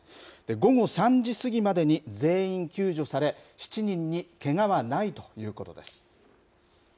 午後３時過ぎまでに全員救助され、７人にけがはないということです。